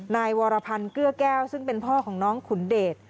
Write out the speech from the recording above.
นายวรพันธ์เกื้อแก้วซึ่งเป็นพ่อของน้องขุนเดช